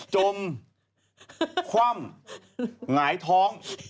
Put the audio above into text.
จมคว่ำหงายท้อง